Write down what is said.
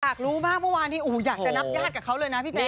อยากรู้มากเมื่อวานนี้อยากจะนับญาติกับเขาเลยนะพี่แจ๊